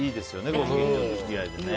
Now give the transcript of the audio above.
ご近所の付き合いでね。